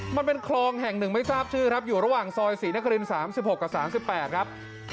มันเป็นคลองแห่งหนึ่งไม่ทราบชื่อครับอยู่ระหว่างซอยศรีนคริน๓๖กับ๓๘ครับ